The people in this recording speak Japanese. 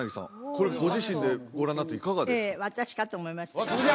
これご自身でご覧になっていかがですか？